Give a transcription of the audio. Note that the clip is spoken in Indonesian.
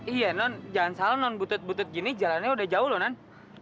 iya non jangan salah non butut butut gini jalannya udah jauh loh nan